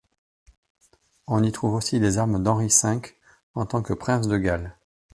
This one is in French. On y trouve aussi les armes d'Henri V en tant que prince de Galles.